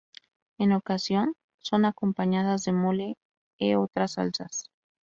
En ocasión son acompañadas de mole u otras salsas.